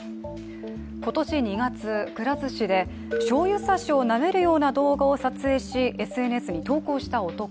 今年２月、くら寿司でしょうゆ差しをなめるような動画を撮影しＳＮＳに投稿した男。